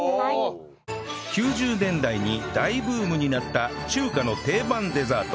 ９０年代に大ブームになった中華の定番デザート